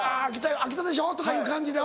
「秋田でしょ？」とかいう感じで。